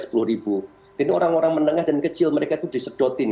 jadi orang orang menengah dan kecil mereka itu disedotin